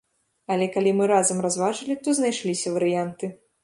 Але калі мы разам разважылі, то знайшліся варыянты.